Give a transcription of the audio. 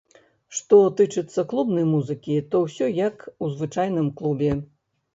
Што тычыцца клубнай музыкі, то ўсё як у звычайным клубе.